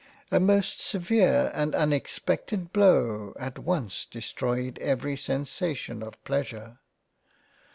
A most severe and unexpected Blow at once destroyed every sensation of Pleasure.